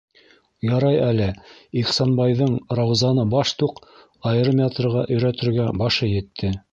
Ярай әле Ихсанбайҙың Раузаны баштуҡ айырым ятырға өйрәтергә башы етте.